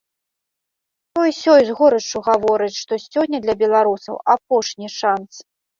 Той-сёй з горыччу гаворыць, што сёння для беларусаў апошні шанц.